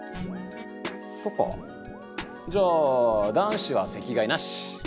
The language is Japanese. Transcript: じゃあ男子は席替えなし！